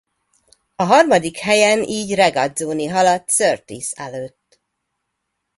A harmadik helyen így Regazzoni haladt Surtees előtt.